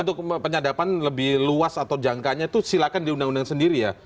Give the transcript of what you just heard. untuk penyadapan lebih luas atau jangkanya itu silakan di undang undang sendiri ya